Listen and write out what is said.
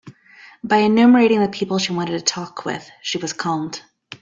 By enumerating the people she wanted to talk with, she was calmed.